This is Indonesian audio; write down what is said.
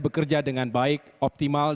bekerja dengan baik optimal